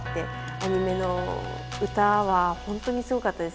アニメの歌は本当にすごかったです。